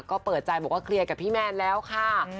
ก็เปิดใจบอกว่าเคลียร์กับพี่แมนแล้วค่ะ